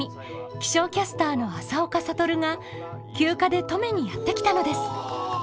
気象キャスターの朝岡覚が休暇で登米にやって来たのです。